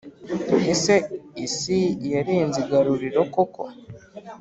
Ese isi yarenze igaruriro koko